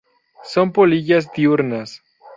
Son polillas diurnas.